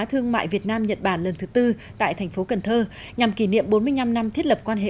thương mại việt nam nhật bản lần thứ tư tại thành phố cần thơ nhằm kỷ niệm bốn mươi năm năm thiết lập quan hệ